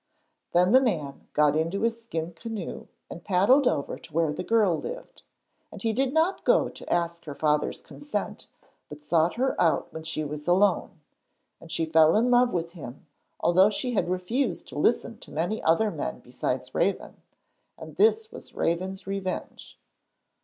Then the man got into his skin canoe and paddled over to where the girl lived, and he did not go to ask her father's consent but sought her out when she was alone, and she fell in love with him although she had refused to listen to many other men besides Raven, and this was Raven's revenge.